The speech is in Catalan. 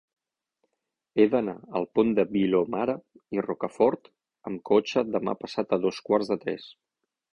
He d'anar al Pont de Vilomara i Rocafort amb cotxe demà passat a dos quarts de tres.